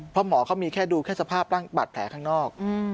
เพราะหมอเขามีแค่ดูแค่สภาพร่างบาดแผลข้างนอก